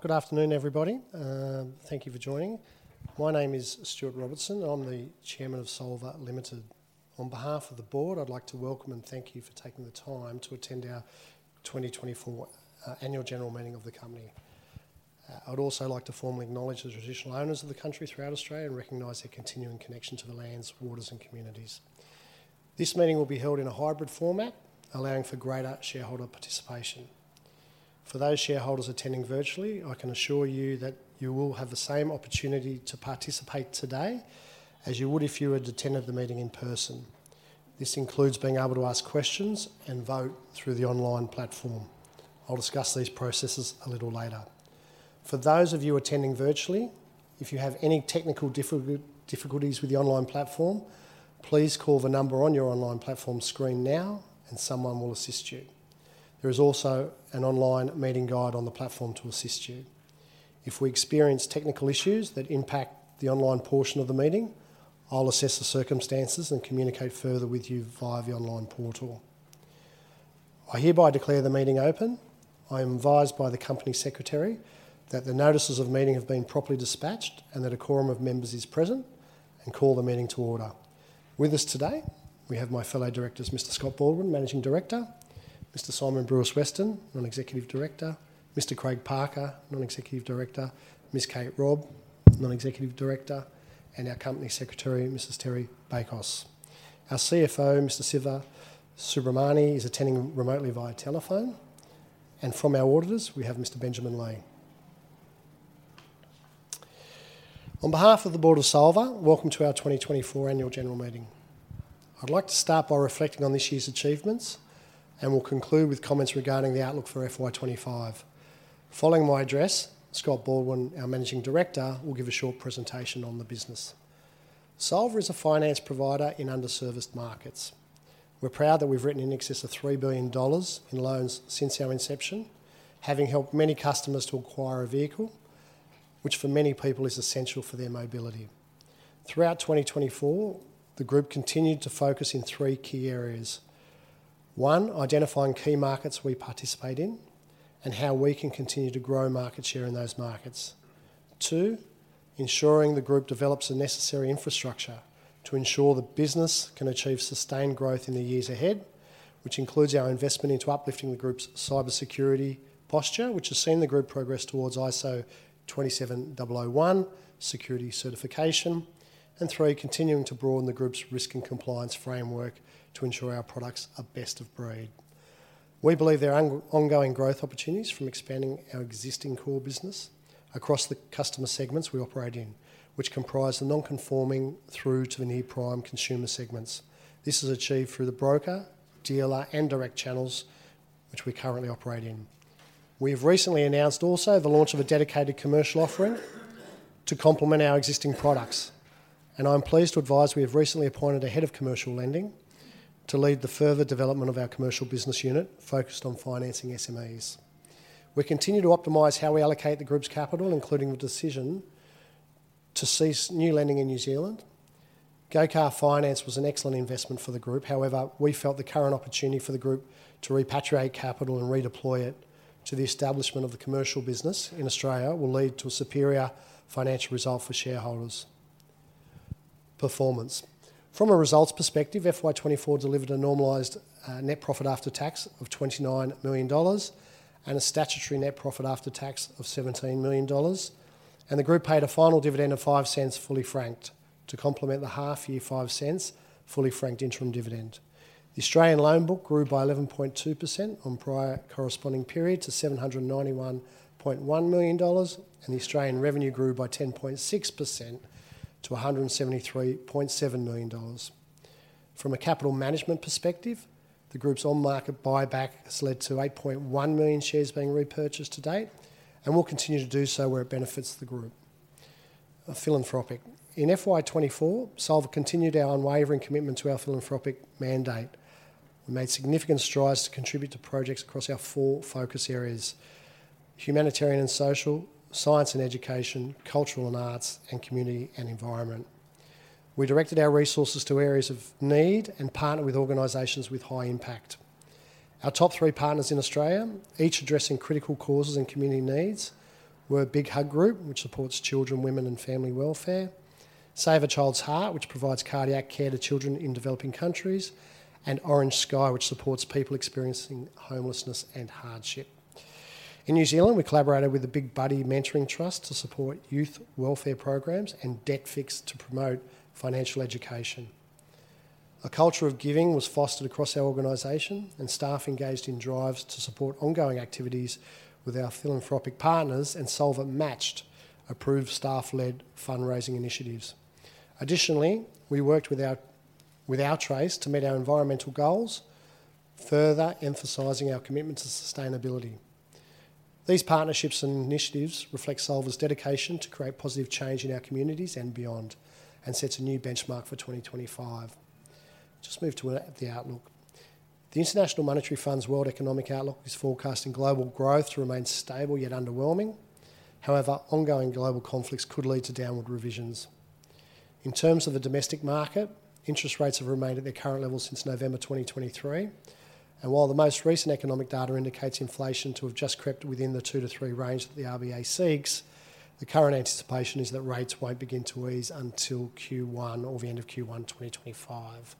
Good afternoon, everybody. Thank you for joining. My name is Stuart Robertson. I'm the Chairman of Solvar Limited. On behalf of the board, I'd like to welcome and thank you for taking the time to attend our 2024 annual general meeting of the company. I'd also like to formally acknowledge the traditional owners of the country throughout Australia and recognize their continuing connection to the lands, waters, and communities. This meeting will be held in a hybrid format, allowing for greater shareholder participation. For those shareholders attending virtually, I can assure you that you will have the same opportunity to participate today as you would if you had attended the meeting in person. This includes being able to ask questions and vote through the online platform. I'll discuss these processes a little later. For those of you attending virtually, if you have any technical difficulties with the online platform, please call the number on your online platform screen now, and someone will assist you. There is also an online meeting guide on the platform to assist you. If we experience technical issues that impact the online portion of the meeting, I'll assess the circumstances and communicate further with you via the online portal. I hereby declare the meeting open. I am advised by the Company Secretary that the notices of meeting have been properly dispatched and that a quorum of members is present, and call the meeting to order. With us today, we have my fellow directors, Mr. Scott Baldwin, Managing Director; Mr. Symon Brewis-Weston, Non-Executive Director; Mr. Craig Parker, Non-Executive Director; Ms. Kate Robb, Non-Executive Director; and our Company Secretary, Mrs. Terri Bakos. Our CFO, Mr. Siva Subramani is attending remotely via telephone. And from our auditors, we have Mr. Benjamin Lee. On behalf of the board of Solvar, welcome to our 2024 annual general meeting. I'd like to start by reflecting on this year's achievements and will conclude with comments regarding the outlook for FY 2025. Following my address, Scott Baldwin, our Managing Director, will give a short presentation on the business. Solvar is a finance provider in underserviced markets. We're proud that we've written in excess of 3 billion dollars in loans since our inception, having helped many customers to acquire a vehicle, which for many people is essential for their mobility. Throughout 2024, the group continued to focus in three key areas. One, identifying key markets we participate in and how we can continue to grow market share in those markets. Two, ensuring the group develops the necessary infrastructure to ensure the business can achieve sustained growth in the years ahead, which includes our investment into uplifting the group's cybersecurity posture, which has seen the group progress towards ISO 27001 security certification. And three, continuing to broaden the group's risk and compliance framework to ensure our products are best of breed. We believe there are ongoing growth opportunities from expanding our existing core business across the customer segments we operate in, which comprise the non-conforming through to the near-prime consumer segments. This is achieved through the broker, dealer, and direct channels which we currently operate in. We have recently announced also the launch of a dedicated commercial offering to complement our existing products. And I'm pleased to advise we have recently appointed a head of commercial lending to lead the further development of our commercial business unit focused on financing SMEs. We continue to optimize how we allocate the group's capital, including the decision to cease new lending in New Zealand. Go Car Finance was an excellent investment for the group. However, we felt the current opportunity for the group to repatriate capital and redeploy it to the establishment of the commercial business in Australia will lead to a superior financial result for shareholders' performance. From a results perspective, FY 2024 delivered a normalised net profit after tax of 29 million dollars and a statutory net profit after tax of 17 million dollars, and the group paid a final dividend of 0.05 fully franked to complement the half-year 0.05 fully franked interim dividend. The Australian loan book grew by 11.2% on prior corresponding period to 791.1 million dollars, and the Australian revenue grew by 10.6% to 173.7 million dollars. From a capital management perspective, the group's on-market buyback has led to 8.1 million shares being repurchased to date and will continue to do so where it benefits the group. Philanthropy. In FY 2024, Solvar continued our unwavering commitment to our philanthropic mandate. We made significant strides to contribute to projects across our four focus areas: humanitarian and social, science and education, cultural and arts, and community and environment. We directed our resources to areas of need and partnered with organizations with high impact. Our top three partners in Australia, each addressing critical causes and community needs, were Big Hug Group, which supports children, women, and family welfare. Save a Child's Heart, which provides cardiac care to children in developing countries. And Orange Sky, which supports people experiencing homelessness and hardship. In New Zealand, we collaborated with the Big Buddy Mentoring Trust to support youth welfare programs and DebtFix to promote financial education. A culture of giving was fostered across our organization, and staff engaged in drives to support ongoing activities with our philanthropic partners, and Solvar matched approved staff-led fundraising initiatives. Additionally, we worked with Our Trace to meet our environmental goals, further emphasizing our commitment to sustainability. These partnerships and initiatives reflect Solvar's dedication to create positive change in our communities and beyond, and set a new benchmark for 2025. Just move to the outlook. The International Monetary Fund's World Economic Outlook is forecasting global growth to remain stable yet underwhelming. However, ongoing global conflicts could lead to downward revisions. In terms of the domestic market, interest rates have remained at their current level since November 2023. While the most recent economic data indicates inflation to have just crept within the 2-3 range that the RBA seeks, the current anticipation is that rates won't begin to ease until Q1 or the end of Q1 2025.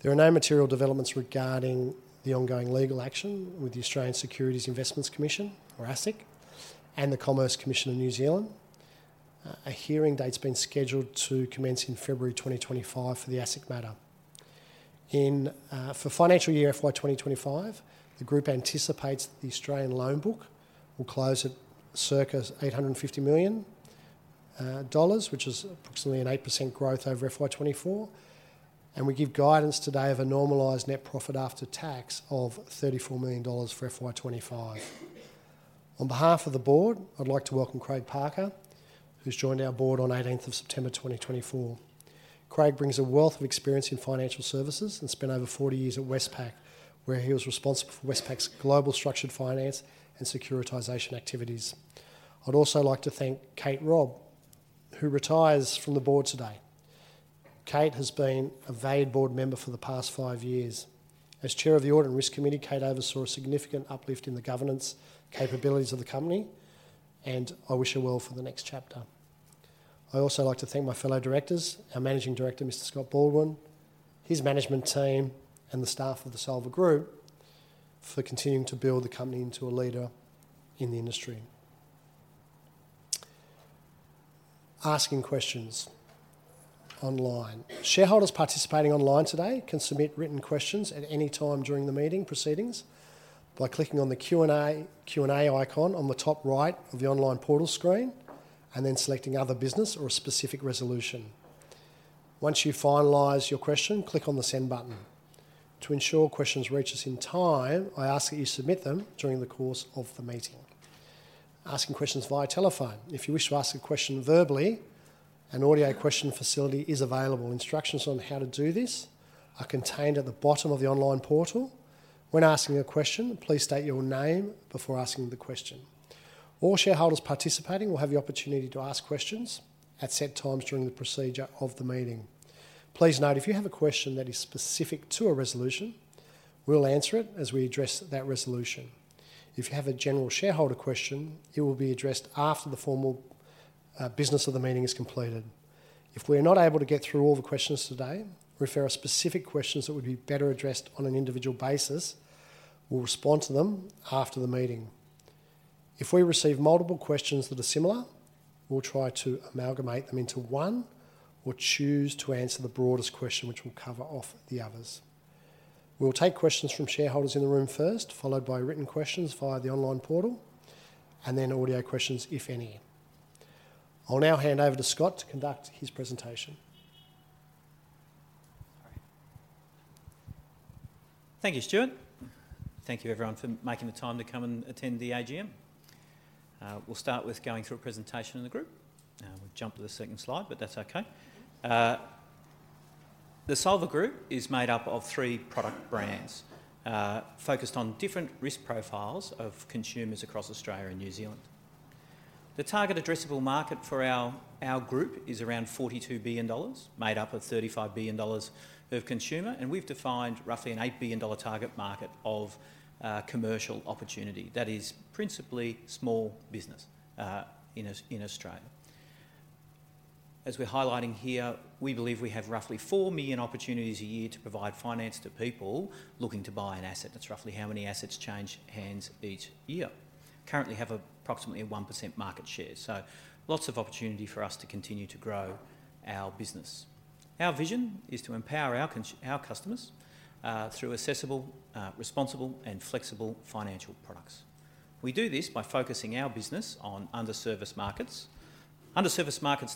There are no material developments regarding the ongoing legal action with the Australian Securities and Investments Commission, or ASIC, and the Commerce Commission in New Zealand. A hearing date's been scheduled to commence in February 2025 for the ASIC matter. For financial year FY 2025, the group anticipates that the Australian loan book will close at circa 850 million dollars, which is approximately an 8% growth over FY 2024. We give guidance today of a normalized net profit after tax of 34 million dollars for FY 2025. On behalf of the board, I'd like to welcome Craig Parker, who's joined our board on 18 September 2024. Craig brings a wealth of experience in financial services and spent over 40 years at Westpac, where he was responsible for Westpac's global structured finance and securitization activities. I'd also like to thank Kate Robb, who retires from the board today. Kate has been a valued board member for the past five years. As Chair of the Audit and Risk Committee, Kate oversaw a significant uplift in the governance capabilities of the company, and I wish her well for the next chapter. I'd also like to thank my fellow directors, our Managing Director, Mr. Scott Baldwin, his management team, and the staff of the Solvar Group for continuing to build the company into a leader in the industry. Asking questions online. Shareholders participating online today can submit written questions at any time during the meeting proceedings by clicking on the Q&A icon on the top right of the online portal screen and then selecting Other Business or a specific resolution. Once you finalize your question, click on the Send button. To ensure questions reach us in time, I ask that you submit them during the course of the meeting. Asking questions via telephone. If you wish to ask a question verbally, an audio question facility is available. Instructions on how to do this are contained at the bottom of the online portal. When asking a question, please state your name before asking the question. All shareholders participating will have the opportunity to ask questions at set times during the procedure of the meeting. Please note, if you have a question that is specific to a resolution, we'll answer it as we address that resolution. If you have a general shareholder question, it will be addressed after the formal business of the meeting is completed. If we are not able to get through all the questions today, we'll refer to specific questions that would be better addressed on an individual basis. We'll respond to them after the meeting. If we receive multiple questions that are similar, we'll try to amalgamate them into one or choose to answer the broadest question, which will cover off the others. We'll take questions from shareholders in the room first, followed by written questions via the online portal, and then audio questions if any. I'll now hand over to Scott to conduct his presentation. Thank you, Stuart. Thank you, everyone, for making the time to come and attend the AGM. We'll start with going through a presentation in the group. We'll jump to the second slide, but that's okay. The Solvar Group is made up of three product brands focused on different risk profiles of consumers across Australia and New Zealand. The target addressable market for our group is around 42 billion dollars, made up of 35 billion dollars of consumer, and we've defined roughly an 8 billion dollar target market of commercial opportunity. That is principally small business in Australia. As we're highlighting here, we believe we have roughly 4 million opportunities a year to provide finance to people looking to buy an asset. That's roughly how many assets change hands each year. Currently, we have approximately a 1% market share. So, lots of opportunity for us to continue to grow our business. Our vision is to empower our customers through accessible, responsible, and flexible financial products. We do this by focusing our business on underserviced markets. Underserviced markets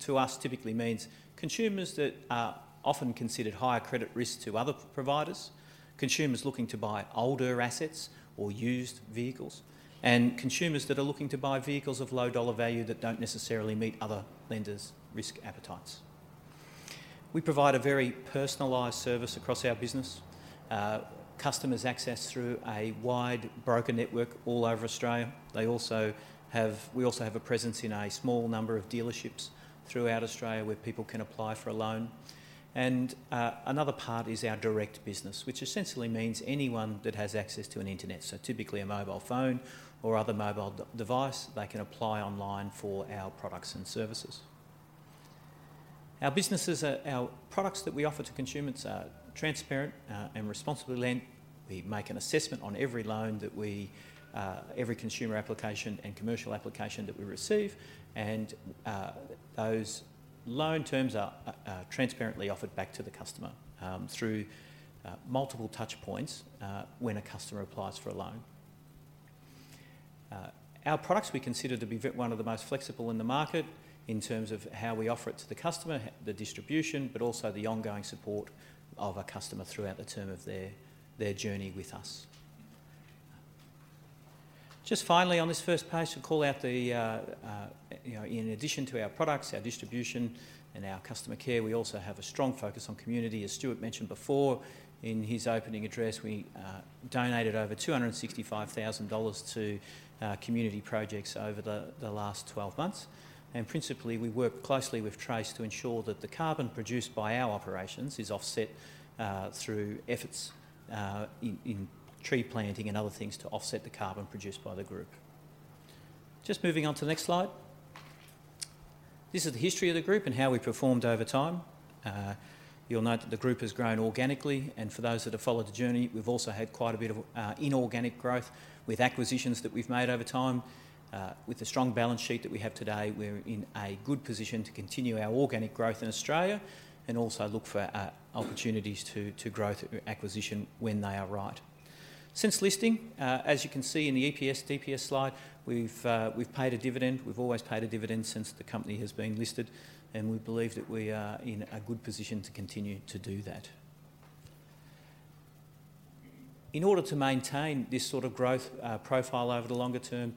to us typically means consumers that are often considered higher credit risk to other providers, consumers looking to buy older assets or used vehicles, and consumers that are looking to buy vehicles of low dollar value that don't necessarily meet other lenders' risk appetites. We provide a very personalized service across our business. Customers access through a wide broker network all over Australia. We also have a presence in a small number of dealerships throughout Australia where people can apply for a loan, and another part is our direct business, which essentially means anyone that has access to an internet, so typically a mobile phone or other mobile device, they can apply online for our products and services. Our products that we offer to consumers are transparent and responsibly lent. We make an assessment on every consumer application and commercial application that we receive, and those loan terms are transparently offered back to the customer through multiple touch points when a customer applies for a loan. Our products we consider to be one of the most flexible in the market in terms of how we offer it to the customer, the distribution, but also the ongoing support of our customer throughout the term of their journey with us. Just finally, on this first page to call out the, in addition to our products, our distribution, and our customer care, we also have a strong focus on community. As Stuart mentioned before in his opening address, we donated over 265,000 dollars to community projects over the last 12 months. And principally, we work closely with Trace to ensure that the carbon produced by our operations is offset through efforts in tree planting and other things to offset the carbon produced by the group. Just moving on to the next slide. This is the history of the group and how we performed over time. You'll note that the group has grown organically. And for those that have followed the journey, we've also had quite a bit of inorganic growth with acquisitions that we've made over time. With the strong balance sheet that we have today, we're in a good position to continue our organic growth in Australia and also look for opportunities to grow acquisitions when they are right. Since listing, as you can see in the EPS/DPS slide, we've paid a dividend. We've always paid a dividend since the company has been listed, and we believe that we are in a good position to continue to do that. In order to maintain this sort of growth profile over the longer term,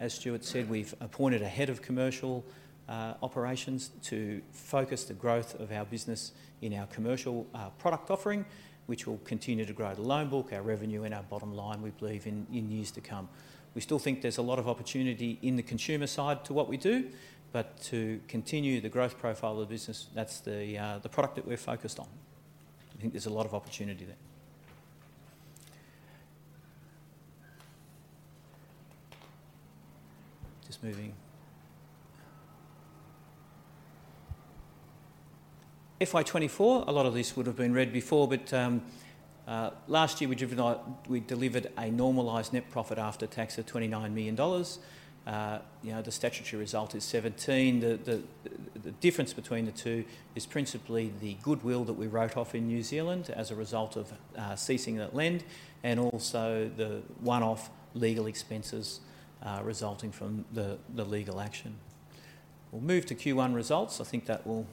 as Stuart said, we've appointed a head of commercial operations to focus the growth of our business in our commercial product offering, which will continue to grow the loan book, our revenue, and our bottom line, we believe, in years to come. We still think there's a lot of opportunity in the consumer side to what we do, but to continue the growth profile of the business, that's the product that we're focused on. I think there's a lot of opportunity there. Just moving. FY 2024, a lot of this would have been read before, but last year we delivered a normalized net profit after tax of 29 million dollars. The statutory result is 17. The difference between the two is principally the goodwill that we wrote off in New Zealand as a result of ceasing that lend and also the one-off legal expenses resulting from the legal action. We'll move to Q1 results. I think that will.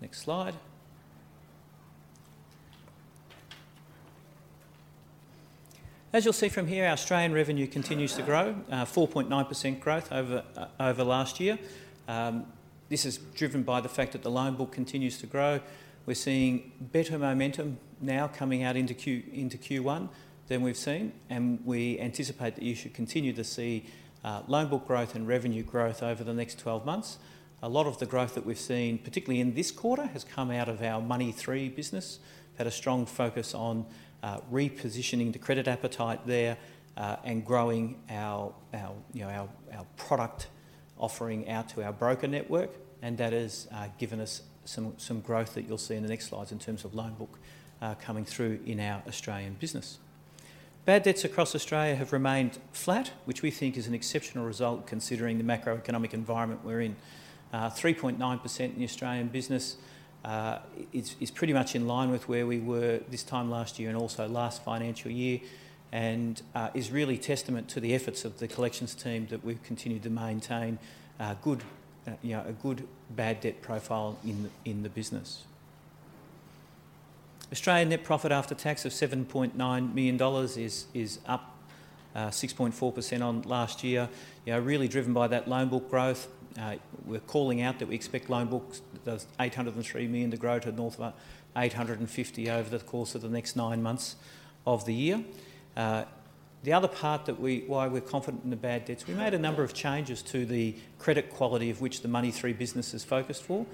Next slide. As you'll see from here, our Australian revenue continues to grow, 4.9% growth over last year. This is driven by the fact that the loan book continues to grow. We're seeing better momentum now coming out into Q1 than we've seen, and we anticipate that you should continue to see loan book growth and revenue growth over the next 12 months. A lot of the growth that we've seen, particularly in this quarter, has come out of our Money3 business. We've had a strong focus on repositioning the credit appetite there and growing our product offering out to our broker network, and that has given us some growth that you'll see in the next slides in terms of loan book coming through in our Australian business. Bad debts across Australia have remained flat, which we think is an exceptional result considering the macroeconomic environment we're in. 3.9% in the Australian business is pretty much in line with where we were this time last year and also last financial year and is really testament to the efforts of the collections team that we've continued to maintain a good bad debt profile in the business. Australian net profit after tax of 7.9 million dollars is up 6.4% on last year, really driven by that loan book growth. We're calling out that we expect loan books, those 803 million, to grow to north of 850 million over the course of the next nine months of the year. The other part that we, why we're confident in the bad debts, we made a number of changes to the credit quality of which the Money3 business is focused for,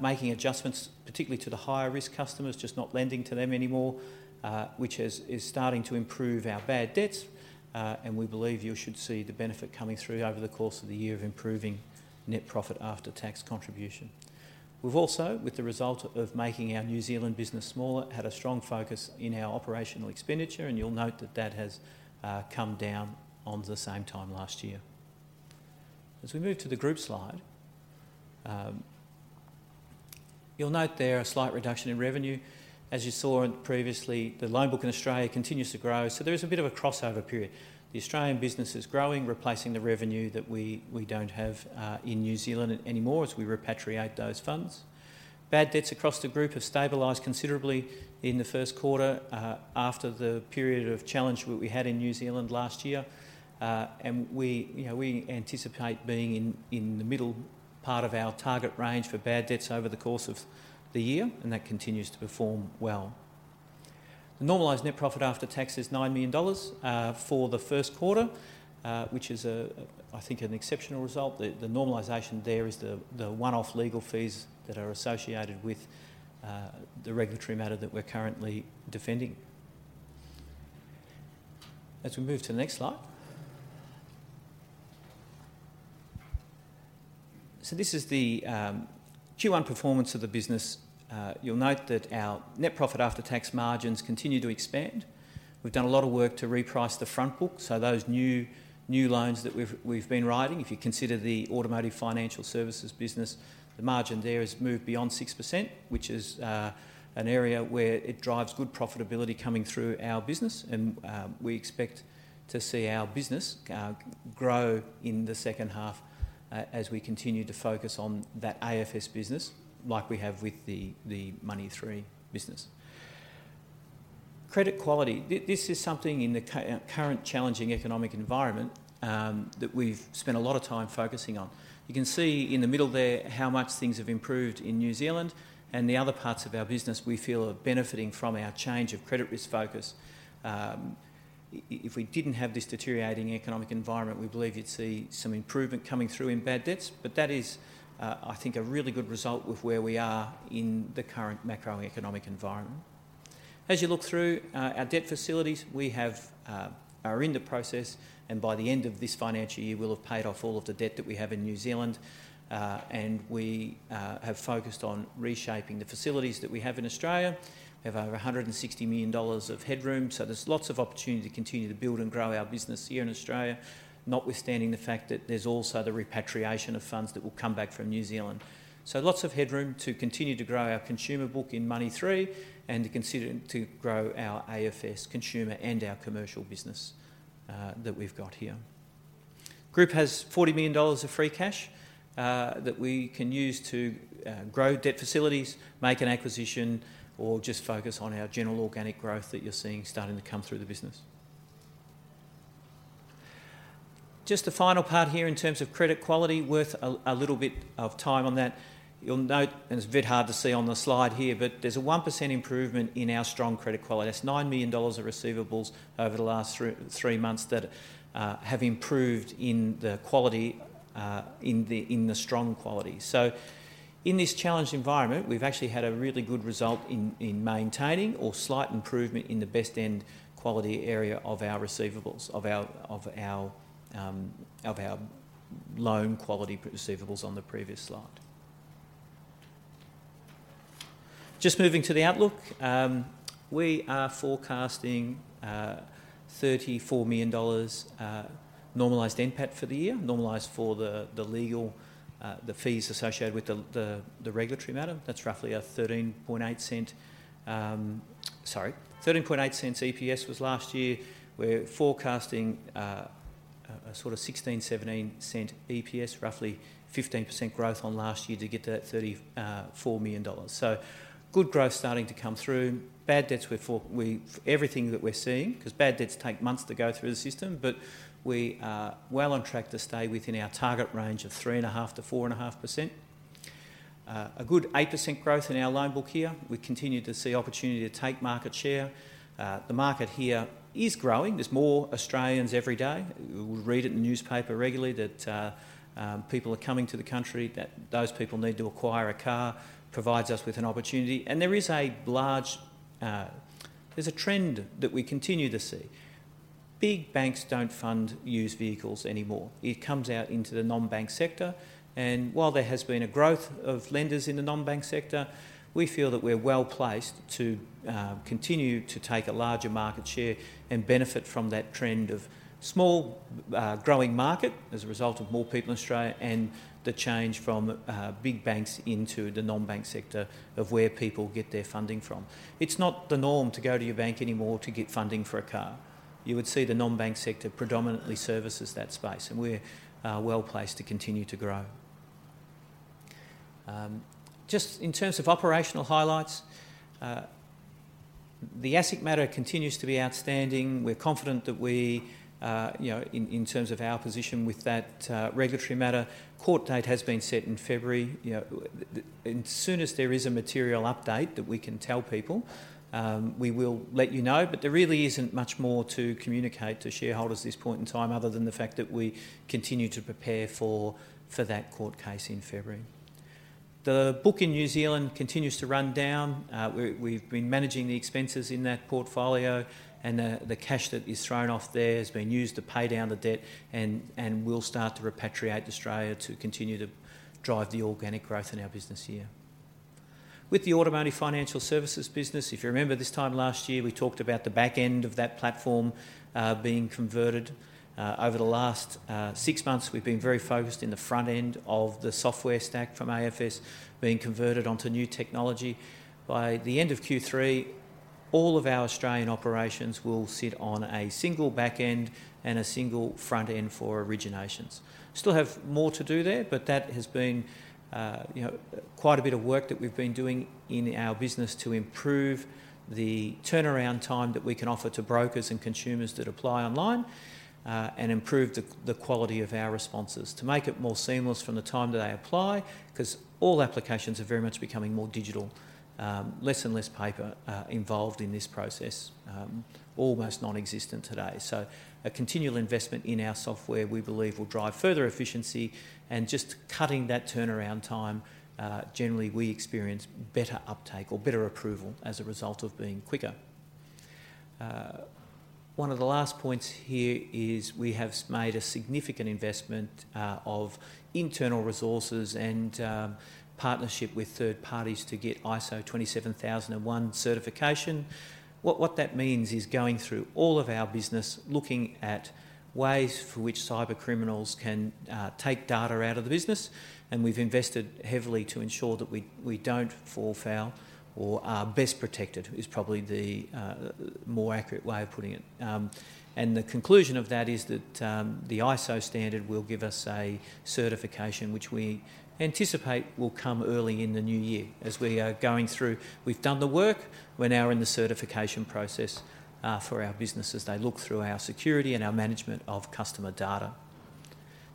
making adjustments particularly to the higher risk customers, just not lending to them anymore, which is starting to improve our bad debts, and we believe you should see the benefit coming through over the course of the year of improving net profit after tax contribution. We've also, with the result of making our New Zealand business smaller, had a strong focus in our operational expenditure, and you'll note that that has come down on the same time last year. As we move to the group slide, you'll note there's a slight reduction in revenue. As you saw previously, the loan book in Australia continues to grow, so there is a bit of a cross-over period. The Australian business is growing, replacing the revenue that we don't have in New Zealand anymore as we repatriate those funds. Bad debts across the group have stabilized considerably in the Q1 after the period of challenge that we had in New Zealand last year, and we anticipate being in the middle part of our target range for bad debts over the course of the year, and that continues to perform well. The normalized net profit after tax is 9 million dollars for the Q1, which is, I think, an exceptional result. The normalization there is the one-off legal fees that are associated with the regulatory matter that we're currently defending. As we move to the next slide, so this is the Q1 performance of the business. You'll note that our net profit after tax margins continue to expand. We've done a lot of work to reprice the front book, so those new loans that we've been writing, if you consider the automotive financial services business, the margin there has moved beyond 6%, which is an area where it drives good profitability coming through our business, and we expect to see our business grow in the H2 as we continue to focus on that AFS business like we have with the Money3 business. Credit quality. This is something in the current challenging economic environment that we've spent a lot of time focusing on. You can see in the middle there how much things have improved in New Zealand, and the other parts of our business we feel are benefiting from our change of credit risk focus. If we didn't have this deteriorating economic environment, we believe you'd see some improvement coming through in bad debts, but that is, I think, a really good result with where we are in the current macroeconomic environment. As you look through our debt facilities, we are in the process, and by the end of this financial year, we'll have paid off all of the debt that we have in New Zealand. And we have focused on reshaping the facilities that we have in Australia. We have over 160 million dollars of headroom, so there's lots of opportunity to continue to build and grow our business here in Australia, notwithstanding the fact that there's also the repatriation of funds that will come back from New Zealand. So lots of headroom to continue to grow our consumer book in Money3 and to grow our AFS consumer and our commercial business that we've got here. The group has 40 million dollars of free cash that we can use to grow debt facilities, make an acquisition, or just focus on our general organic growth that you're seeing starting to come through the business. Just the final part here in terms of credit quality. Worth a little bit of time on that. You'll note, and it's a bit hard to see on the slide here, but there's a 1% improvement in our strong credit quality. That's 9 million dollars of receivables over the last 3 months that have improved in the strong quality. So in this challenged environment, we've actually had a really good result in maintaining or slight improvement in the best end quality area of our receivables, of our loan quality receivables on the previous slide. Just moving to the outlook. We are forecasting 34 million dollars normalized NPAT for the year, normalized for the legal, the fees associated with the regulatory matter. That's roughly a 0.138 EPS was last year. We're forecasting a sort of 0.1617 EPS, roughly 15% growth on last year to get to 34 million dollars. So good growth starting to come through. Bad debts were everything that we're seeing because bad debts take months to go through the system, but we are well on track to stay within our target range of 3.5%-4.5%. A good 8% growth in our loan book here. We continue to see opportunity to take market share. The market here is growing. There's more Australians every day. We read it in the newspaper regularly that people are coming to the country, that those people need to acquire a car, provides us with an opportunity. And there is a large. There's a trend that we continue to see. Big banks don't fund used vehicles anymore. It comes out into the non-bank sector. And while there has been a growth of lenders in the non-bank sector, we feel that we're well placed to continue to take a larger market share and benefit from that trend of small growing market as a result of more people in Australia and the change from big banks into the non-bank sector of where people get their funding from. It's not the norm to go to your bank anymore to get funding for a car. You would see the non-bank sector predominantly services that space, and we're well placed to continue to grow. Just in terms of operational highlights, the ASIC matter continues to be outstanding. We're confident that we, in terms of our position with that regulatory matter, court date has been set in February. As soon as there is a material update that we can tell people, we will let you know. But there really isn't much more to communicate to shareholders at this point in time other than the fact that we continue to prepare for that court case in February. The book in New Zealand continues to run down. We've been managing the expenses in that portfolio, and the cash that is thrown off there has been used to pay down the debt, and we'll start to repatriate to Australia to continue to drive the organic growth in our business here. With the automotive financial services business, if you remember this time last year, we talked about the back end of that platform being converted. Over the last six months, we've been very focused in the front end of the software stack from AFS being converted onto new technology. By the end of Q3, all of our Australian operations will sit on a single back end and a single front end for originations. Still have more to do there, but that has been quite a bit of work that we've been doing in our business to improve the turnaround time that we can offer to brokers and consumers that apply online and improve the quality of our responses to make it more seamless from the time that they apply because all applications are very much becoming more digital, less and less paper involved in this process, almost non-existent today. So a continual investment in our software, we believe, will drive further efficiency. And just cutting that turnaround time, generally, we experience better uptake or better approval as a result of being quicker. One of the last points here is we have made a significant investment of internal resources and partnership with third parties to get ISO 27001 certification. What that means is going through all of our business, looking at ways for which cyber criminals can take data out of the business, and we've invested heavily to ensure that we don't fall foul or are best protected is probably the more accurate way of putting it, and the conclusion of that is that the ISO standard will give us a certification which we anticipate will come early in the new year as we are going through. We've done the work. We're now in the certification process for our business as they look through our security and our management of customer data.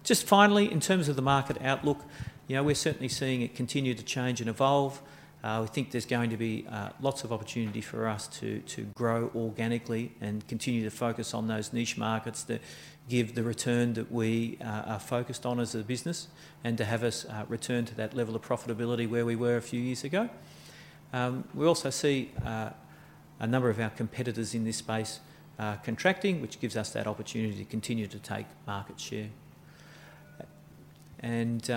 Just finally, in terms of the market outlook, we're certainly seeing it continue to change and evolve. We think there's going to be lots of opportunity for us to grow organically and continue to focus on those niche markets that give the return that we are focused on as a business and to have us return to that level of profitability where we were a few years ago. We also see a number of our competitors in this space contracting, which gives us that opportunity to continue to take market share. And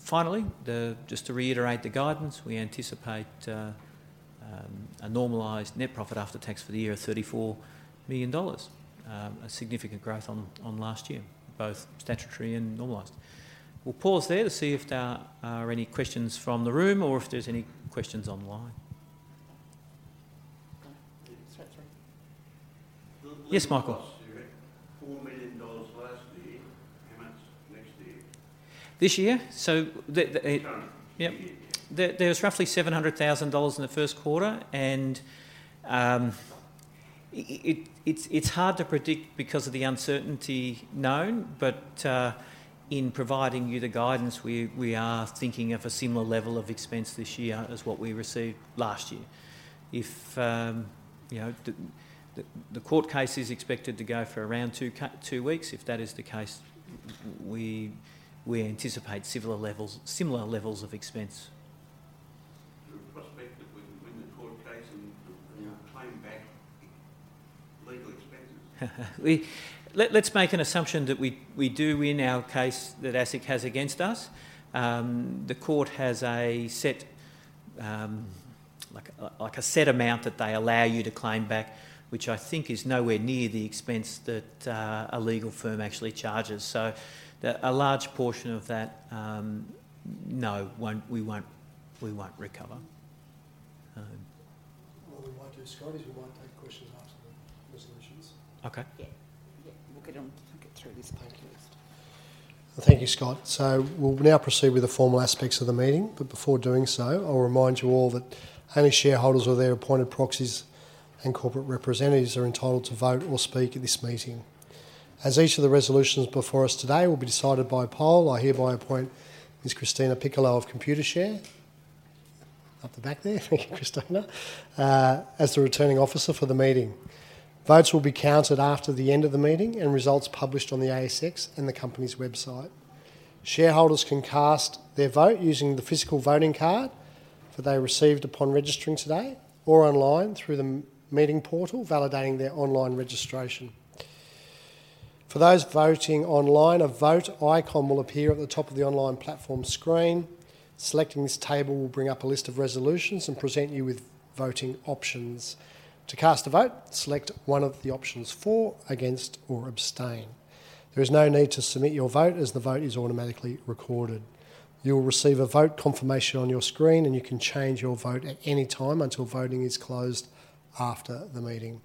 finally, just to reiterate the guidance, we anticipate a normalized net profit after tax for the year of 34 million dollars, a significant growth on last year, both statutory and the last. We'll pause there to see if there are any questions from the room or if there's any questions online. Yes, Michael. Last year, AUD 4 million last year. How much next year? This year? So this year, yeah. There was roughly 700,000 dollars in the Q1, and it's hard to predict because of the uncertainty known, but in providing you the guidance, we are thinking of a similar level of expense this year as what we received last year. If the court case is expected to go for around two weeks, if that is the case, we anticipate similar levels of expense. Prospect that when the court case and the claim back, legal expenses? Let's make an assumption that we do win our case that ASIC has against us. The court has a set amount that they allow you to claim back, which I think is nowhere near the expense that a legal firm actually charges. So a large portion of that, no, we won't recover. What we won't do, Scott, is we won't take questions after the resolutions. Okay. Yeah. Yeah. We'll get on through this paper list. Thank you, Scott, so we'll now proceed with the formal aspects of the meeting. But before doing so, I'll remind you all that only shareholders or their appointed proxies and corporate representatives are entitled to vote or speak at this meeting. As each of the resolutions before us today will be decided by poll, I hereby appoint Ms. Christina Piccolo of Computershare up the back there. Thank you, Christina, as the returning officer for the meeting. Votes will be counted after the end of the meeting and results published on the ASX and the company's website. Shareholders can cast their vote using the physical voting card that they received upon registering today or online through the meeting portal, validating their online registration. For those voting online, a vote icon will appear at the top of the online platform screen. Selecting this table will bring up a list of resolutions and present you with voting options. To cast a vote, select one of the options for, against, or abstain. There is no need to submit your vote as the vote is automatically recorded. You will receive a vote confirmation on your screen, and you can change your vote at any time until voting is closed after the meeting.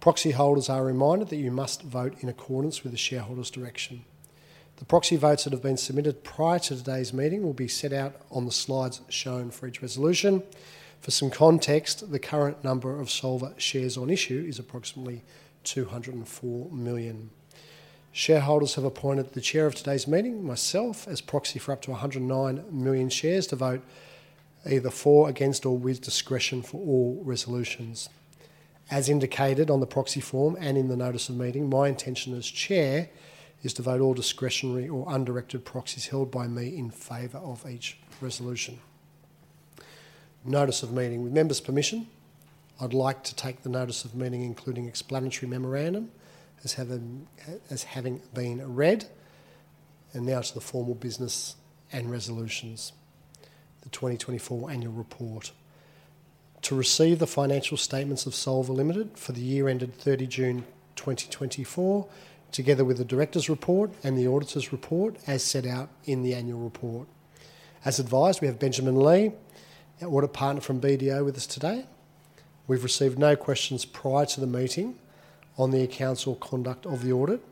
Proxy holders are reminded that you must vote in accordance with the shareholders' direction. The proxy votes that have been submitted prior to today's meeting will be set out on the slides shown for each resolution. For some context, the current number of Solvar shares on issue is approximately 204 million. Shareholders have appointed the chair of today's meeting, myself, as proxy for up to 109 million shares to vote either for, against, or with discretion for all resolutions. As indicated on the proxy form and in the notice of meeting, my intention as chair is to vote all discretionary or undirected proxies held by me in favor of each resolution. Notice of meeting. With members' permission, I'd like to take the notice of meeting, including explanatory memorandum, as having been read. And now to the formal business and resolutions. The 2024 annual report. To receive the financial statements of Solvar Limited for the year ended 30 June 2024, together with the director's report and the auditor's report as set out in the annual report. As advised, we have Benjamin Lee, Audit Partner from BDO, with us today. We've received no questions prior to the meeting on the accounts or conduct of the audit.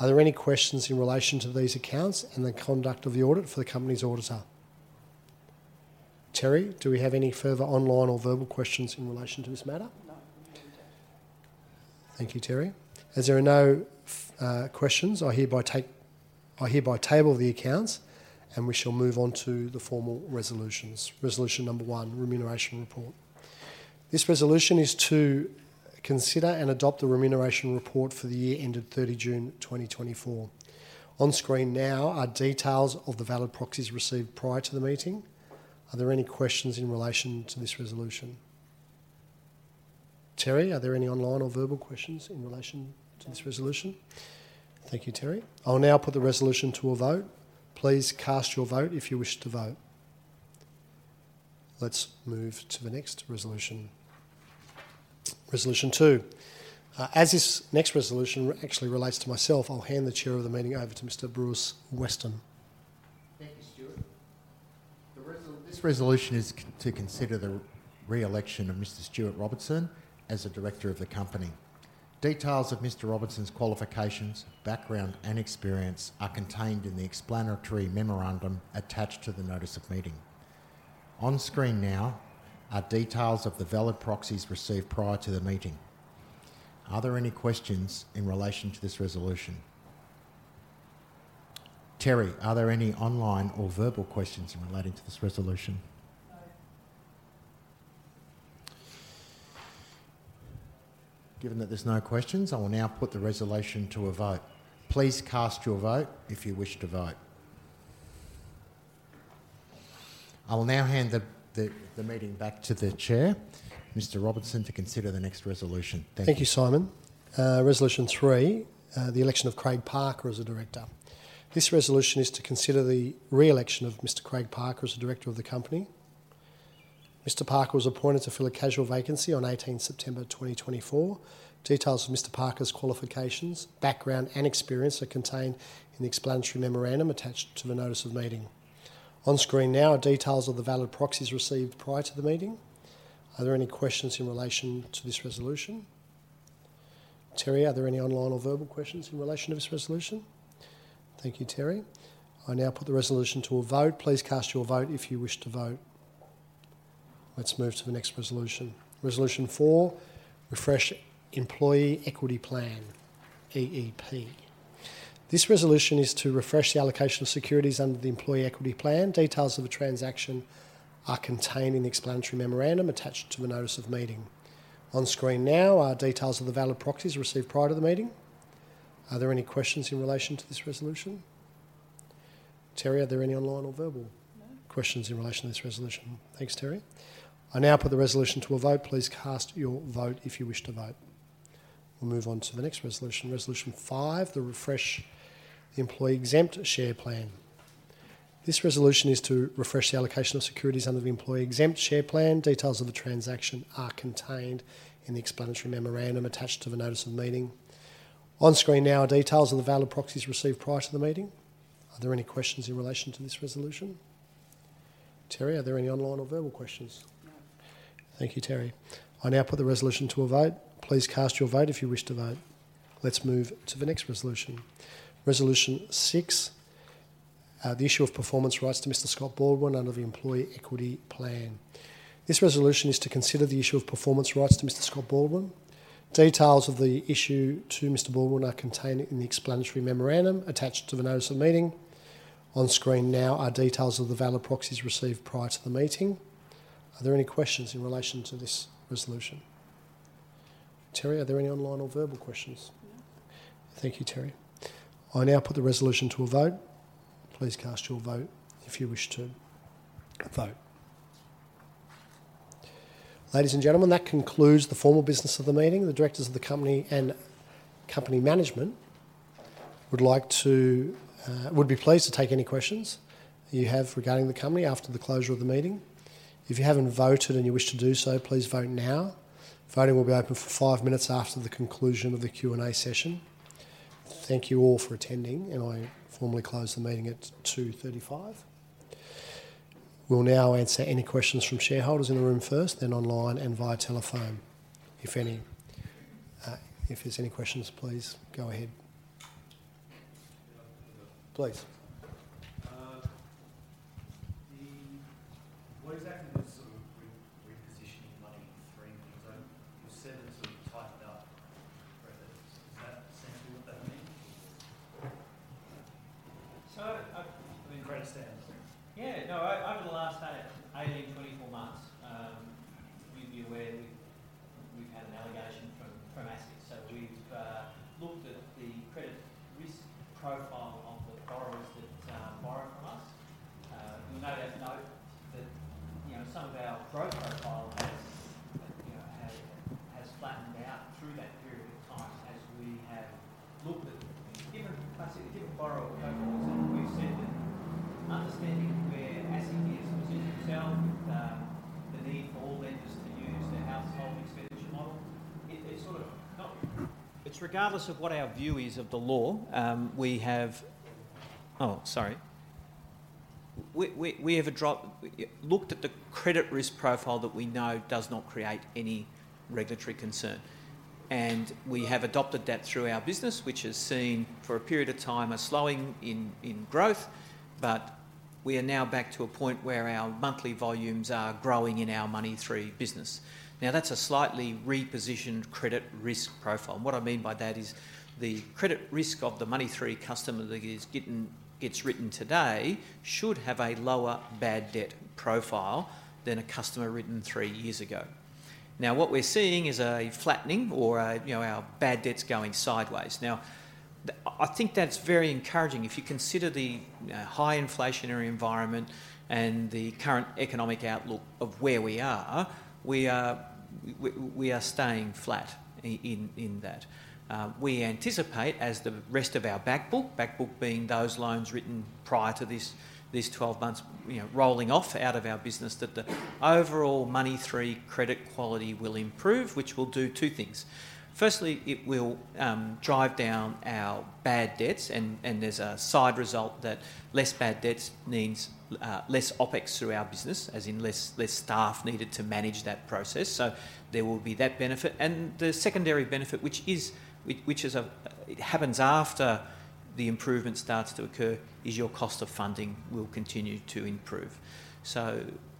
Are there any questions in relation to these accounts and the conduct of the audit for the company's auditor? Terri, do we have any further online or verbal questions in relation to this matter? Thank you, Terri. As there are no questions, I hereby table the accounts, and we shall move on to the formal resolutions. Resolution number one, remuneration report. This resolution is to consider and adopt the remuneration report for the year ended 30 June 2024. On screen now are details of the valid proxies received prior to the meeting. Are there any questions in relation to this resolution? Terri, are there any online or verbal questions in relation to this resolution? Thank you, Terri. I'll now put the resolution to a vote. Please cast your vote if you wish to vote. Let's move to the next resolution. Resolution two. As this next resolution actually relates to myself, I'll hand the chair of the meeting over to Mr. Symon Brewis-Weston. Thank you, Stuart. This resolution is to consider the re-election of Mr. Stuart Robertson as a director of the company. Details of Mr. Robertson's qualifications, background, and experience are contained in the explanatory memorandum attached to the notice of meeting. On screen now are details of the valid proxies received prior to the meeting. Are there any questions in relation to this resolution? Terri, are there any online or verbal questions in relation to this resolution? Given that there's no questions, I will now put the resolution to a vote. Please cast your vote if you wish to vote. I will now hand the meeting back to the chair, Mr. Robertson, to consider the next resolution. Thank you. Thank you, Symon. Resolution three, the election of Craig Parker as a director. This resolution is to consider the re-election of Mr. Craig Parker as a director of the company. Mr. Parker was appointed to fill a casual vacancy on 18 September 2024. Details of Mr. Parker's qualifications, background, and experience are contained in the explanatory memorandum attached to the notice of meeting. On screen now are details of the valid proxies received prior to the meeting. Are there any questions in relation to this resolution? Terri, are there any online or verbal questions in relation to this resolution? Thank you, Terri. I now put the resolution to a vote. Please cast your vote if you wish to vote. Let's move to the next resolution. Resolution four, refresh employee equity plan, EEP. This resolution is to refresh the allocation of securities under the employee equity plan. Details of the transaction are contained in the explanatory memorandum attached to the notice of meeting. On screen now are details of the valid proxies received prior to the meeting. Are there any questions in relation to this resolution? Terri are there any online available questions in relation to this resolution? Thanks, Terri. I now put the resolution to a vote. Please cast your vote if you wish to vote. We'll move on to the next resolution. Resolution five, the refresh employee exempt share plan. This resolution is to refresh the allocation of securities under the employee exempt share plan. Details of the transaction are contained in the explanatory memorandum attached to the notice of meeting. On screen now are details of the valid proxies received prior to the meeting. Are there any questions in relation to this resolution? Terri, are there any online or verbal questions? Thank you, Terri. I now put the resolution to a vote. Please cast your vote if you wish to vote. Let's move to the next resolution. Resolution six, the issue of performance rights to Mr. Scott Baldwin under the employee equity plan. This resolution is to consider the issue of performance rights to Mr. Scott Baldwin. Details of the issue to Mr. Baldwin are contained in the explanatory memorandum attached to the notice of meeting. On screen now are details of the valid proxies received prior to the meeting. Are there any questions in relation to this resolution? Terri, are there any online or verbal questions? No. Thank you, Terri. I now put the resolution to a vote. Please cast your vote if you wish to vote. Ladies and gentlemen, that concludes the formal business of the meeting. The directors of the company and company management would be pleased to take any questions you have regarding the company after the closure of the meeting. If you haven't voted and you wish to do so, please vote now. Voting will be open for five minutes after the conclusion of the Q&A session. Thank you all for attending, and I formally close the meeting at 2:35 P.M. We'll now answer any questions from shareholders in the room first, then online and via telephone, if any. If there's any questions, please go ahead. Please. Now, that's a slightly repositioned credit risk profile. What I mean by that is the credit risk of the Money3 customer that gets written today should have a lower bad debt profile than a customer written three years ago. Now, what we're seeing is a flattening or our bad debt's going sideways. Now, I think that's very encouraging. If you consider the high inflationary environment and the current economic outlook of where we are, we are staying flat in that. We anticipate, as the rest of our backbook (backbook being those loans written prior to this 12 months rolling off out of our business), that the overall Money3 credit quality will improve, which will do two things. Firstly, it will drive down our bad debts. And there's a side result that less bad debts means less OpEx through our business, as in less staff needed to manage that process. So there will be that benefit. And the secondary benefit, which happens after the improvement starts to occur, is your cost of funding will continue to improve.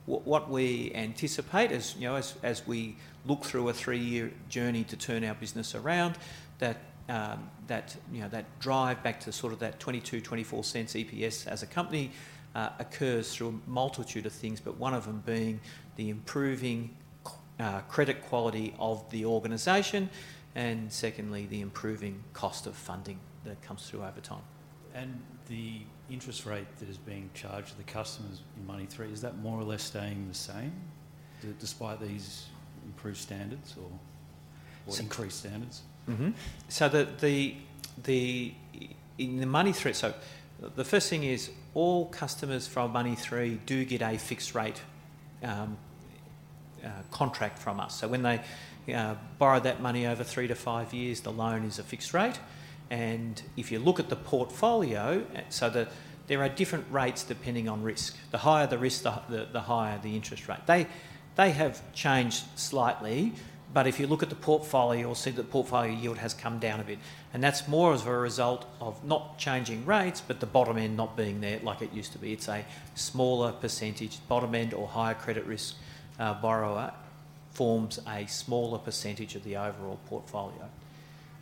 What we anticipate is, as we look through a three-year journey to turn our business around, that drive back to sort of that 0.22-0.24 EPS as a company occurs through a multitude of things, but one of them being the improving credit quality of the organization and, secondly, the improving cost of funding that comes through over time. And the interest rate that is being charged to the customers in Money3, is that more or less staying the same despite these improved standards or increased standards? In the Money3, the first thing is all customers from Money3 do get a fixed-rate contract from us. When they borrow that money over three to five years, the loan is a fixed rate. If you look at the portfolio, there are different rates depending on risk. The higher the risk, the higher the interest rate. They have changed slightly, but if you look at the portfolio, you'll see that the portfolio yield has come down a bit, and that's more as a result of not changing rates, but the bottom end not being there like it used to be. It's a smaller percentage. Bottom end or higher credit risk borrower forms a smaller percentage of the overall portfolio.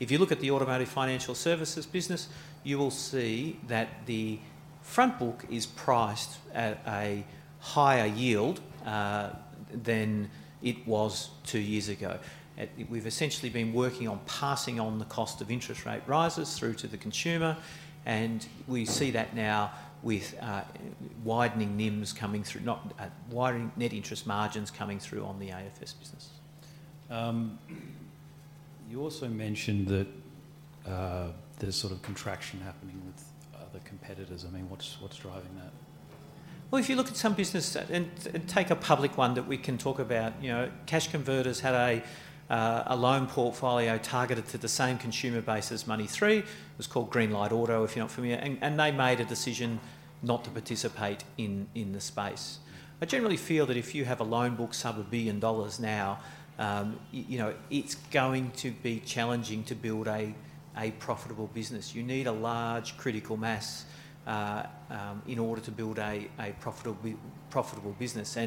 If you look at the Automotive Financial Services business, you will see that the front book is priced at a higher yield than it was two years ago. We've essentially been working on passing on the cost of interest rate rises through to the consumer, and we see that now with widening NIMs coming through, widening net interest margins coming through on the AFS business. You also mentioned that there's sort of contraction happening with other competitors. I mean, what's driving that? If you look at some business, and take a public one that we can talk about, Cash Converters had a loan portfolio targeted to the same consumer base as Money3. It was called Green Light Auto, if you're not familiar. They made a decision not to participate in the space. I generally feel that if you have a loan book sub 1 billion dollars now, it's going to be challenging to build a profitable business. You need a large critical mass in order to build a profitable business.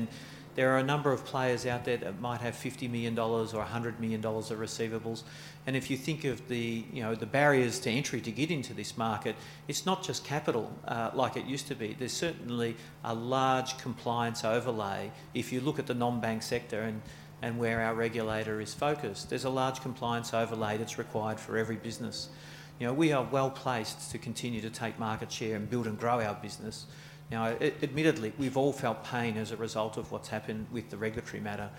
There are a number of players out there that might have 50 million dollars or 100 million dollars of receivables. If you think of the barriers to entry to get into this market, it's not just capital like it used to be. There's certainly a large compliance overlay. If you look at the non-bank sector and where our regulator is focused, there's a large compliance overlay that's required for every business. We are well placed to continue to take market share and build and grow our business. Now, admittedly, we've all felt pain as a result of what's happened with the regulatory matter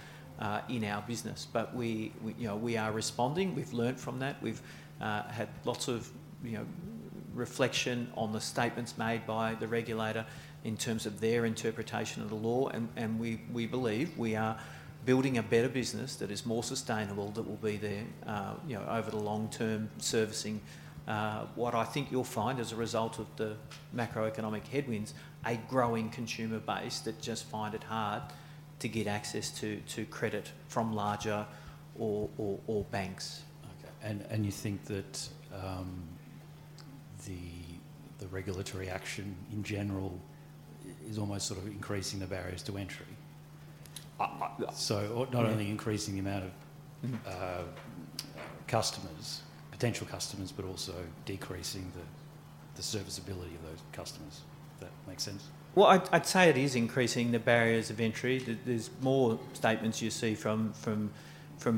in our business. But we are responding. We've learned from that. We've had lots of reflection on the statements made by the regulator in terms of their interpretation of the law. And we believe we are building a better business that is more sustainable, that will be there over the long term, servicing what I think you'll find as a result of the macroeconomic headwinds, a growing consumer base that just find it hard to get access to credit from larger banks. Okay. And you think that the regulatory action in general is almost sort of increasing the barriers to entry? So notonly increasing the amount of potential customers, but also decreasing the serviceability of those customers. Does that make sense? Well, I'd say it is increasing the barriers of entry. There's more statements you see from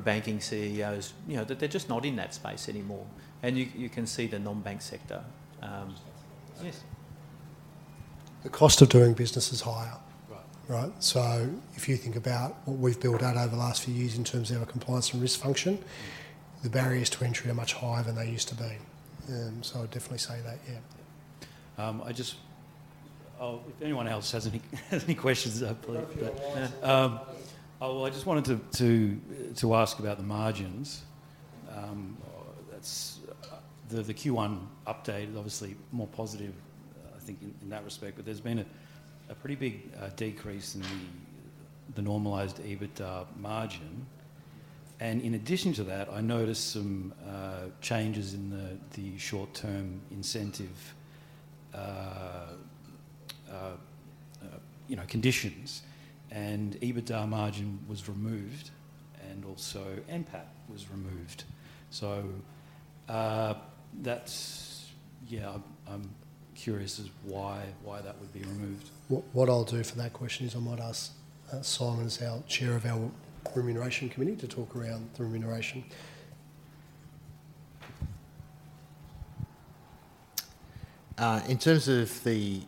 banking CEOs that they're just not in that space anymore. And you can see the non-bank sector. Yes. The cost of doing business is higher. Right. So if you think about what we've built out over the last few years in terms of our compliance and risk function, the barriers to entry are much higher than they used to be. So I'd definitely say that, yeah. If anyone else has any questions, hopefully. I just wanted to ask about the margins. The Q1 update is obviously more positive, I think, in that respect. But there's been a pretty big decrease in the normalized EBITDA margin. And in addition to that, I noticed some changes in the short-term incentive conditions. And EBITDA margin was removed, and also NPAT was removed. So yeah, I'm curious as to why that would be removed. What I'll do for that question is I might ask Symon as our Chair of our Remuneration Committee to talk around the remuneration. In terms of the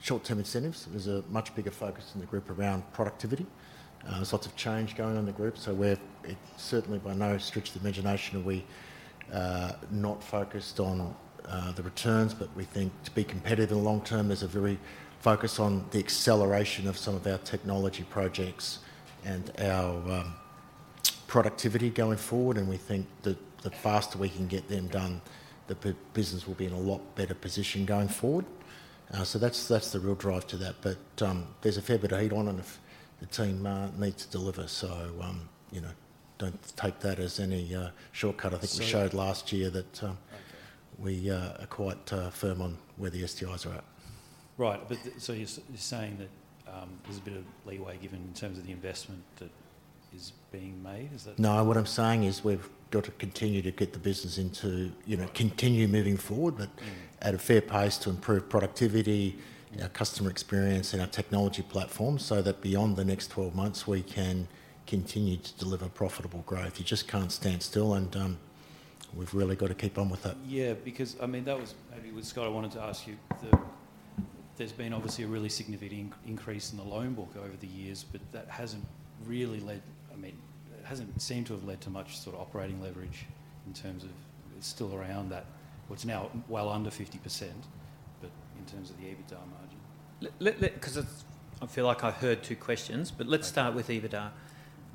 short-term incentives, there's a much bigger focus in the group around productivity. There's lots of change going on in the group. So certainly, by no stretch of the imagination, are we not focused on the returns. But we think to be competitive in the long term, there's a very focus on the acceleration of some of our technology projects and our productivity going forward. And we think the faster we can get them done, the business will be in a lot better position going forward. So that's the real drive to that. But there's a fair bit of heat on, and the team needs to deliver. So don't take that as any shortcut. I think we showed last year that we are quite firm on where the STIs are at. Right. But so you're saying that there's a bit of leeway given in terms of the investment that is being made? Is that? No, what I'm saying is we've got to continue to get the business into continue moving forward, but at a fair pace to improve productivity, our customer experience, and our technology platform so that beyond the next 12 months, we can continue to deliver profitable growth. You just can't stand still, and we've really got to keep on with that. Yeah. Because, I mean, that was maybe what, Scott, I wanted to ask you. There's been obviously a really significant increase in the loan book over the years, but that hasn't really led, I mean, it hasn't seemed to have led to much sort of operating leverage in terms of it's still around that. It's now well under 50%, but in terms of the EBITDA margin? Because I feel like I've heard two questions, but let's start with EBITDA.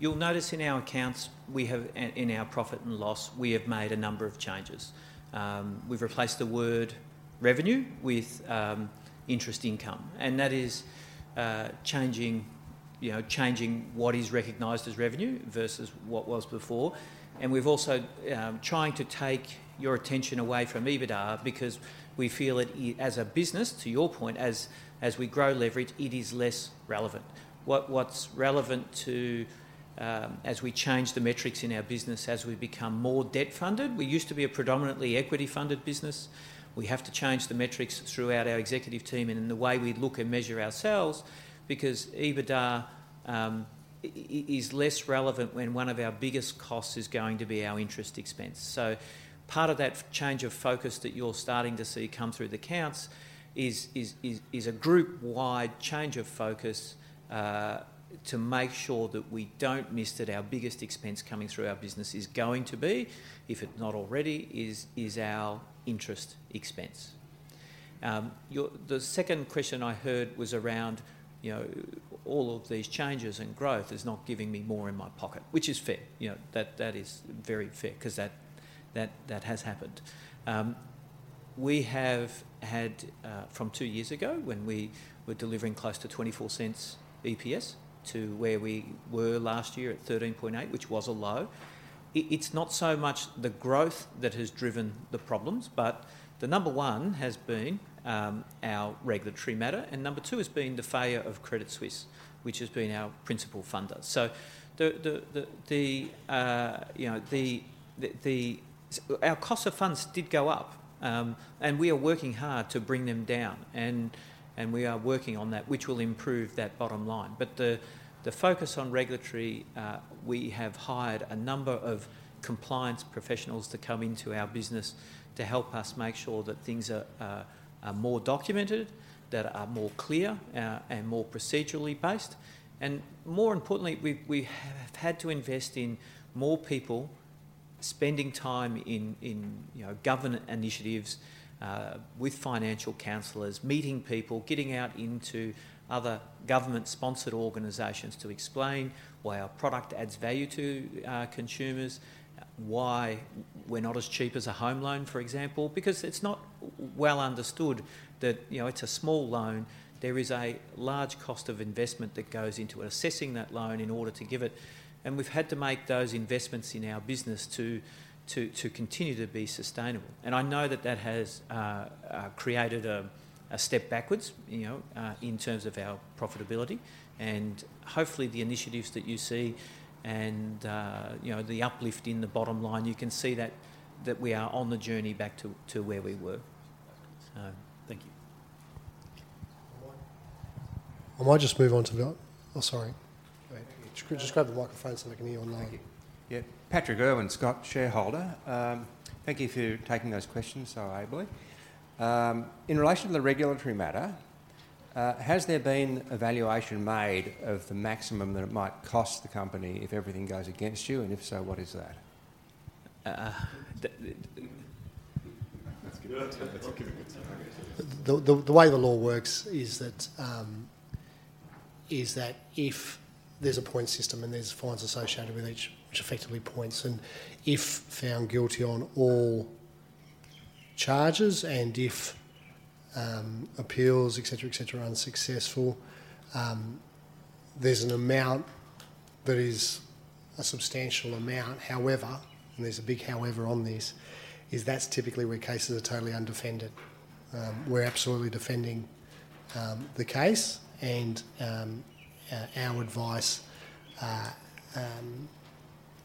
You'll notice in our accounts, in our profit and loss, we have made a number of changes. We've replaced the word revenue with interest income. And that is changing what is recognized as revenue versus what was before. And we've also tried to take your attention away from EBITDA because we feel, as a business, to your point, as we grow leverage, it is less relevant. What's relevant as we change the metrics in our business as we become more debt-funded? We used to be a predominantly equity-funded business. We have to change the metrics throughout our executive team and in the way we look and measure ourselves because EBITDA is less relevant when one of our biggest costs is going to be our interest expense. So part of that change of focus that you're starting to see come through the accounts is a group-wide change of focus to make sure that we don't miss that our biggest expense coming through our business is going to be, if it's not already, is our interest expense. The second question I heard was around all of these changes and growth is not giving me more in my pocket, which is fair. That is very fair because that has happened. We have had from two years ago when we were delivering close to 0.24 EPS to where we were last year at 0.138, which was a low. It's not so much the growth that has driven the problems, but the number one has been our regulatory matter, and number two has been the failure of Credit Suisse, which has been our principal funder, so our cost of funds did go up, and we are working hard to bring them down. And we are working on that, which will improve that bottom line, but the focus on regulatory, we have hired a number of compliance professionals to come into our business to help us make sure that things are more documented, that are more clear, and more procedurally based. And more importantly, we have had to invest in more people spending time in government initiatives with financial counselors, meeting people, getting out into other government-sponsored organizations to explain why our product adds value to consumers, why we're not as cheap as a home loan, for example. Because it's not well understood that it's a small loan. There is a large cost of investment that goes into assessing that loan in order to give it. And we've had to make those investments in our business to continue to be sustainable. And I know that that has created a step backwards in terms of our profitability. And hopefully, the initiatives that you see and the uplift in the bottom line, you can see that we are on the journey back to where we were. Thank you. Am I just moving on to the? Oh, sorry. Go ahead. Just grab the microphone so I can hear you on the line. Thank you. Yeah. Patrick Irwin, shareholder. Thank you for taking those questions so ably. In relation to the regulatory matter, has there been evaluation made of the maximum that it might cost the company if everything goes against you? And if so, what is that? The way the law works is that if there's a points system and there's fines associated with each, which effectively points, and if found guilty on all charges and if appeals, etc., etc., unsuccessful, there's an amount that is a substantial amount. However, and there's a big however on this, is that's typically where cases are totally undefended. We're absolutely defending the case. And our advice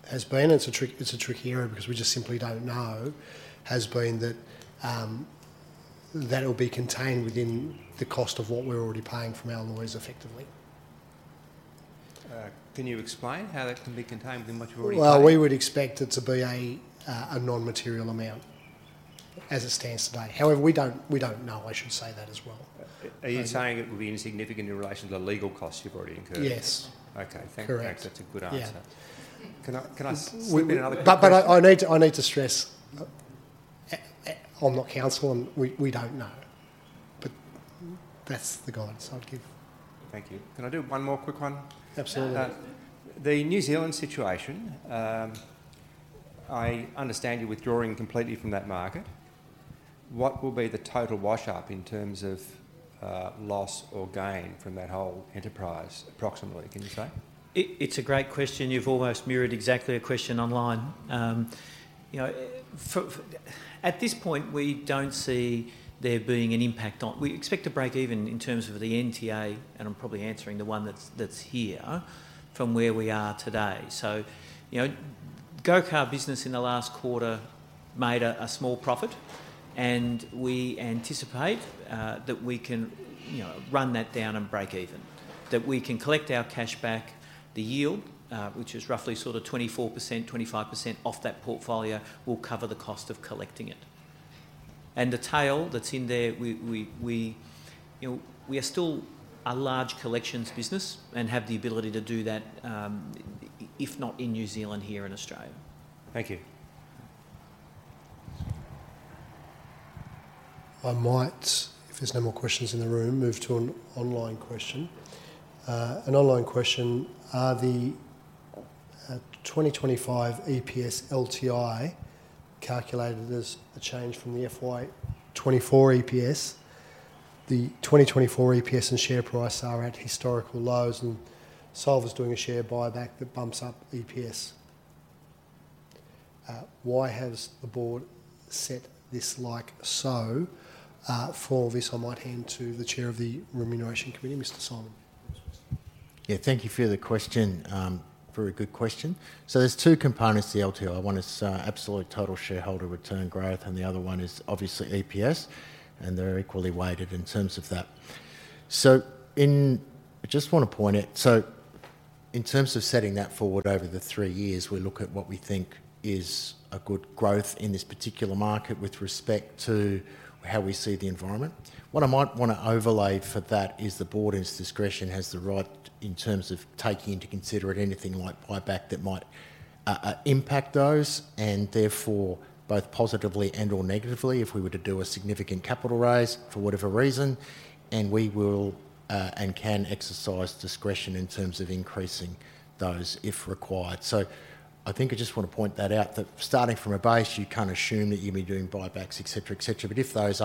has been, it's a tricky area because we just simply don't know, has been that that will be contained within the cost of what we're already paying from our lawyers, effectively. Can you explain how that can be contained within what you're already paying? Well, we would expect it to be a non-material amount as it stands today. However, we don't know, I should say, that as well. Are you saying it will be insignificant in relation to the legal costs you've already incurred? Yes. Correct. Okay. Thank you. That's a good answer. Can I sweep in another question? But I need to stress, I'm not counsel. We don't know. But that's the guidance I'd give. Thank you. Can I do one more quick one? Absolutely. The New Zealand situation, I understand you're withdrawing completely from that market. What will be the total wash-up in terms of loss or gain from that whole enterprise, approximately? Can you say? It's a great question. You've almost mirrored exactly a question online. At this point, we don't see there being an impact on, we expect a break-even in terms of the NTA, and I'm probably answering the one that's here from where we are today. So Go Car business in the last quarter made a small profit, and we anticipate that we can run that down and break even, that we can collect our cash back. The yield, which is roughly sort of 24%-25% off that portfolio, will cover the cost of collecting it. And the tail that's in there, we are still a large collections business and have the ability to do that, if not in New Zealand, here in Australia. Thank you. I might, if there's no more questions in the room, move to an online question. An online question: Are the 2025 EPS LTI calculated as a change from the FY 2024 EPS? The 2024 EPS and share price are at historical lows, and Solvar's doing a share buyback that bumps up EPS. Why has the board set this like so? For all this, I might hand to the chair of the Remuneration Committee, Mr. Symon. Yeah. Thank you for the question. Very good question. So there's two components to the LTI. One is absolute total shareholder return growth, and the other one is obviously EPS. And they're equally weighted in terms of that. So I just want to point out, so in terms of setting that forward over the three years, we look at what we think is a good growth in this particular market with respect to how we see the environment. What I might want to overlay for that is the board's discretion has the right in terms of taking into consideration anything like buyback that might impact those, and therefore both positively and/or negatively if we were to do a significant capital raise for whatever reason, and we will and can exercise discretion in terms of increasing those if required, so I think I just want to point that out that starting from a base, you can't assume that you'll be doing buybacks, etc., etc. But if those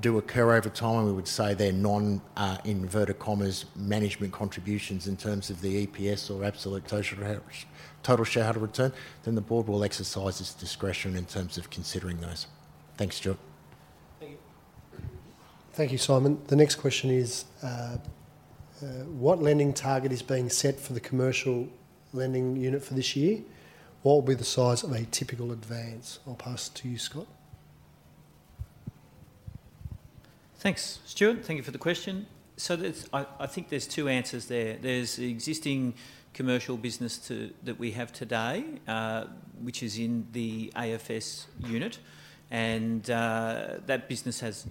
do occur over time, we would say they're non-management contributions in terms of the EPS or absolute total shareholder return, then the board will exercise its discretion in terms of considering those. Thanks, Stuart. Thank you. Thank you, Symon. The next question is: What lending target is being set for the commercial lending unit for this year? What will be the size of a typical advance? I'll pass to you, Scott. Thanks, Stuart. Thank you for the question. So I think there's two answers there. There's the existing commercial business that we have today, which is in the AFS unit. And that business has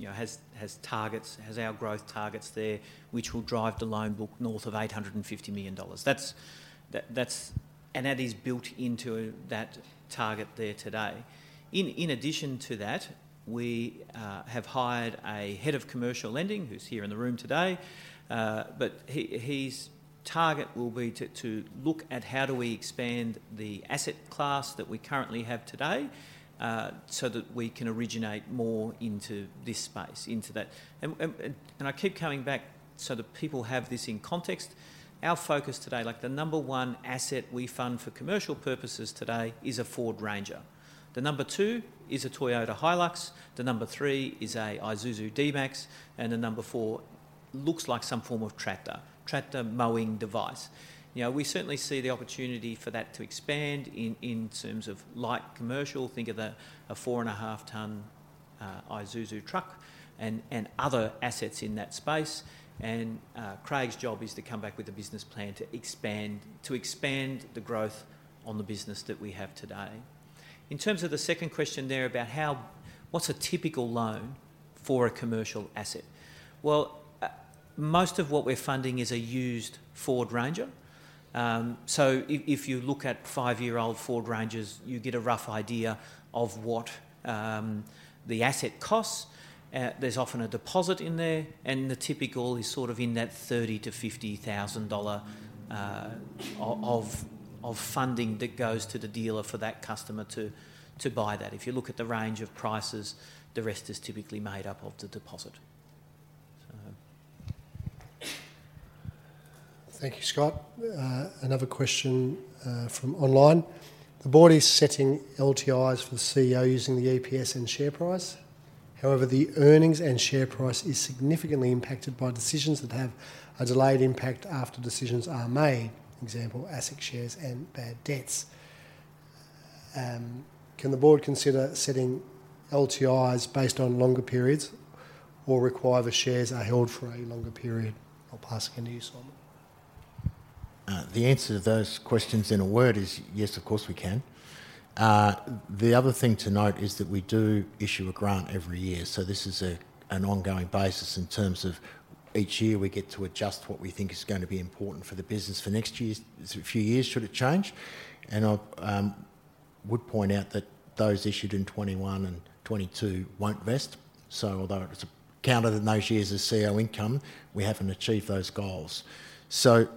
targets, has our growth targets there, which will drive the loan book north of 850 million dollars. And that is built into that target there today. In addition to that, we have hired a head of commercial lending who's here in the room today. But his target will be to look at how do we expand the asset class that we currently have today so that we can originate more into this space, into that. And I keep coming back so that people have this in context. Our focus today, like the number one asset we fund for commercial purposes today, is a Ford Ranger. The number two is a Toyota Hilux. The number three is a Isuzu D-Max. And the number four looks like some form of tractor, tractor mowing device. We certainly see the opportunity for that to expand in terms of light commercial. Think of a four-and-a-half-ton Isuzu truck and other assets in that space. Craig's job is to come back with a business plan to expand the growth on the business that we have today. In terms of the second question there about what's a typical loan for a commercial asset, well, most of what we're funding is a used Ford Ranger. If you look at five-year-old Ford Rangers, you get a rough idea of what the asset costs. There's often a deposit in there. The typical is sort of in that 30,000-50,000 dollar of funding that goes to the dealer for that customer to buy that. If you look at the range of prices, the rest is typically made up of the deposit. Thank you, Scott. Another question from online. The board is setting LTIs for the CEO using the EPS and share price. However, the earnings and share price are significantly impacted by decisions that have a delayed impact after decisions are made, for example, asset shares and bad debts. Can the board consider setting LTIs based on longer periods or require the shares are held for a longer period? I'll pass again to you, Symon. The answer to those questions in a word is yes, of course, we can. The other thing to note is that we do issue a grant every year. So this is an ongoing basis in terms of each year we get to adjust what we think is going to be important for the business for next few years should it change. I would point out that those issued in 2021 and 2022 won't vest. So although it was counted in those years as CEO income, we haven't achieved those goals. So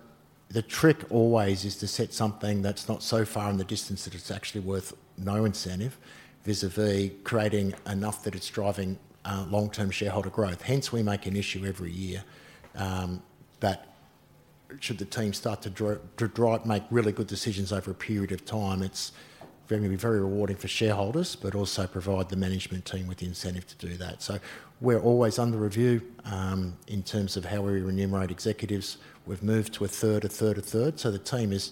the trick always is to set something that's not so far in the distance that it's actually worth no incentive vis-à-vis creating enough that it's driving long-term shareholder growth. Hence, we make an issue every year that should the team start to make really good decisions over a period of time, it's going to be very rewarding for shareholders, but also provide the management team with incentive to do that. So we're always under review in terms of how we remunerate executives. We've moved to a third, a third, a third. So the team is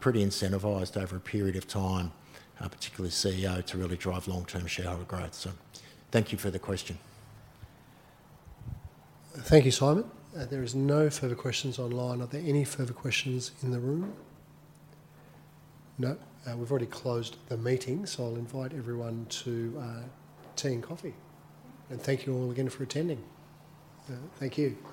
pretty incentivized over a period of time, particularly CEO, to really drive long-term shareholder growth. So thank you for the question. Thank you, Symon. There are no further questions online. Are there any further questions in the room? No. We've already closed the meeting, so I'll invite everyone to tea and coffee. Thank you all again for attending. Thank you.